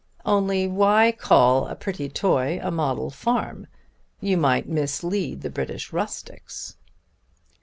Only why call a pretty toy a model farm? You might mislead the British rustics."